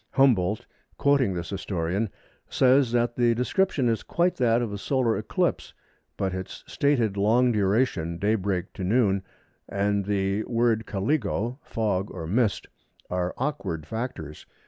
Humboldt, quoting this historian, says that the description is quite that of a solar eclipse, but its stated long duration (daybreak to noon), and the word caligo (fog or mist) are awkward factors.